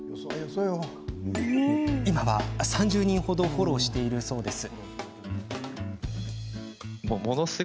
今は３０人程をフォローしているそうです。